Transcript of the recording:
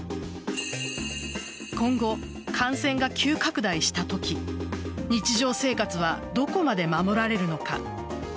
今後、感染が急拡大したとき日常生活はどこまで守られるのか。